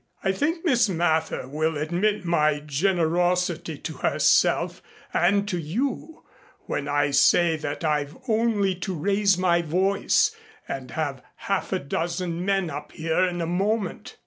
"I think Miss Mather will admit my generosity to herself and to you when I say that I've only to raise my voice and have half a dozen men up here in a moment."